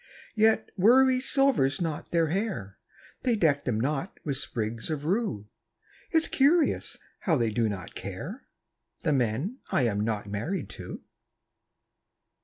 Yet worry silvers not their hair; They deck them not with sprigs of rue. It's curious how they do not care The men I am not married to.